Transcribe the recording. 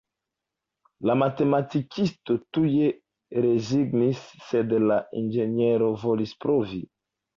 La matematikisto tuj rezignis, sed la inĝeniero volis provi.